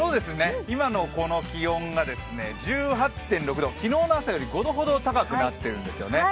今のこの気温が１８．６度、昨日の朝より５度ほど高くなってるんですよね。